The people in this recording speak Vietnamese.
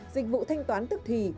dịch vụ thanh toán tức thì